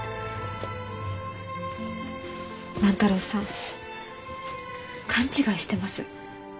万太郎さん勘違いしてます。